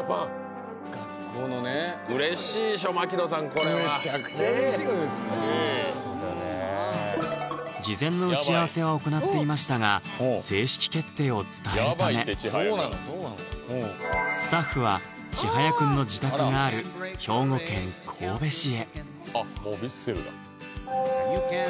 これは事前の打ち合わせは行っていましたが正式決定を伝えるためスタッフはちはやくんの自宅がある兵庫県神戸市へあっもうヴィッセルだいや